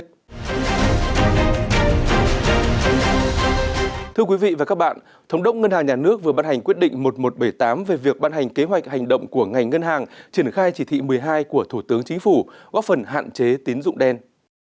thưa quý vị và các bạn thống đốc ngân hàng nhà nước vừa bắt hành quyết định một nghìn một trăm bảy mươi tám về việc ban hành kế hoạch hành động của ngành ngân hàng triển khai chỉ thị một mươi hai của thủ tướng chính phủ góp phần hạn chế tín dụng đen